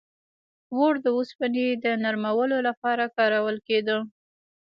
• اور د اوسپنې د نرمولو لپاره کارول کېده.